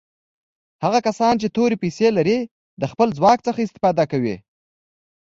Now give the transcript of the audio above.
هغه کسان چې تورې پیسي لري د خپل ځواک څخه استفاده کوي.